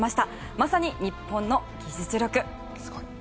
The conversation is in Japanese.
まさに日本の技術力。